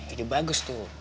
ini bagus tuh